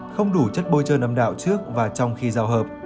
không đủ chất bôi trơn đạo trước và trong khi giao hợp